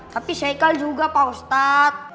tapi sheikhal juga pak ustadz